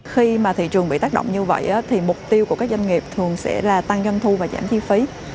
khi mà thị trường bị tác động như vậy thì mục tiêu của các doanh nghiệp thường sẽ là tăng doanh thu và giảm chi phí